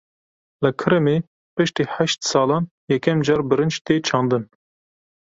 Li Kirimê piştî heşt salan yekem car birinc tê çandin.